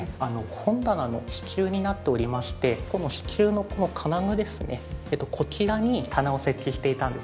本棚の支柱になっておりまして支柱のこの金具ですねこちらに棚を設置していたんですね。